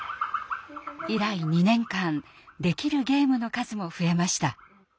以来２年間できるゲームの数も増えました。